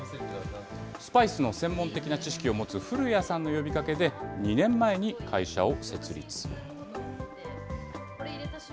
スパイスの専門的な知識を持つ古谷さんの呼びかけで、２年前に会社を設立。